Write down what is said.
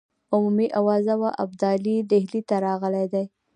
عمومي آوازه وه ابدالي ډهلي ته راغلی دی.